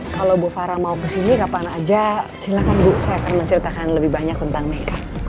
kalau ibu farah mau ke sini kapan saja silakan bu saya akan menceritakan lebih banyak tentang mereka